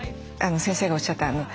先生がおっしゃった